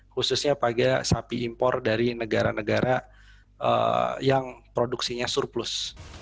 khususnya pada sapi impor dari negara negara yang produksinya surplus